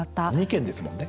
２軒ですもんね。